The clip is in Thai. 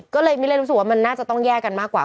ก็เลยไม่ได้รู้สึกว่ามันน่าจะต้องแยกกันมากกว่า